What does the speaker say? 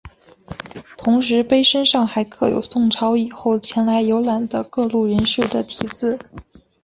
同时碑身上还刻有宋朝以后前来游览的各路人士的题字。